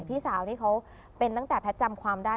พี่สาวนี่เขาเป็นตั้งแต่แพทย์จำความได้